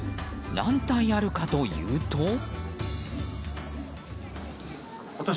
何体あるかというと。